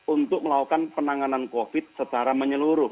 untuk melakukan penanganan covid secara menyeluruh